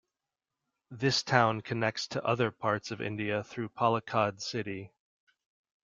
This town connects to other parts of India through Palakkad city.